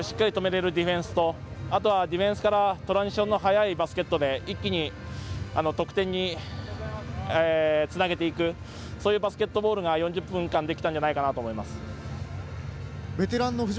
キーになる選手をしっかり止められるディフェンスとあとはディフェンスからトランジションの速いバスケットで一気に得点につなげていくそういうバスケットボールが４０分間できたんじゃないかなと思います。